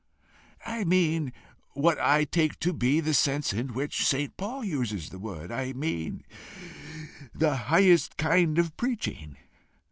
"I mean what I take to be the sense in which St. Paul uses the word I mean the highest kind of preaching.